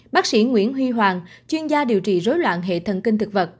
bác sĩ nguyễn huy hoàng chuyên gia điều trị rối loạn hệ thần kinh thực vật